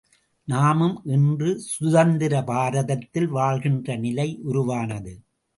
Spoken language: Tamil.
நாமும் இன்று சுதந்திர பாரதத்தில் வாழ்கின்ற நிலை உருவானது.